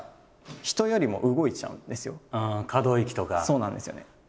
そうなんですよね。